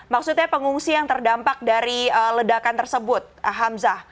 maksudnya pengungsi yang terdampak dari ledakan tersebut hamzah